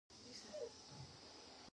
پانکریاس انسولین جوړوي.